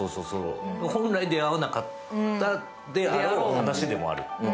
本来、出会わなかったであろう話でもある。